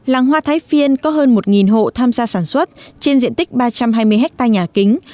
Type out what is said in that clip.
làng hoa thái phiên có hơn một hộ tham gia sản xuất trên diện tích ba trăm hai mươi hectare nhà kính